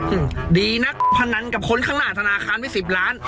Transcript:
อืมดีนักพนันกับคนข้างหน้าธนาคารไปสิบล้าน